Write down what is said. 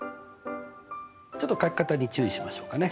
ちょっと書き方に注意しましょうかね。